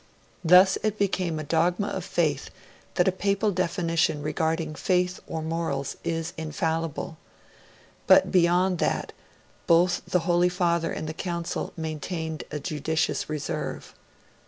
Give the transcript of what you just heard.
Thus it became a dogma of faith that a Papal definition regarding faith or morals is infallible; but beyond that, both the Holy Father and the Council maintained a judicious reserve.